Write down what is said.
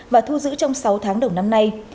và thu giữ trong sáu tháng đầu năm nay